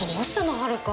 はるか。